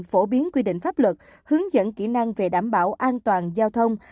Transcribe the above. phổ biến quy định pháp luật hướng dẫn kỹ năng về đảm bảo an toàn giao thông